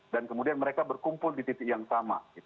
dan kemudian mereka berkumpul di titik yang sama